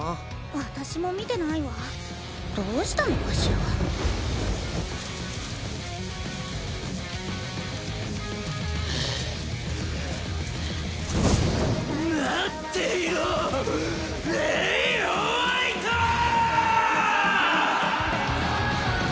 私も見てないわどうしたのかしら待っていろレイ＝ホワイトー！